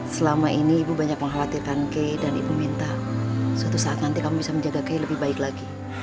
selama ini ibu banyak mengkhawatirkan key dan ibu minta suatu saat nanti kamu bisa menjaga kaya lebih baik lagi